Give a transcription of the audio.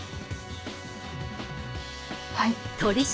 はい。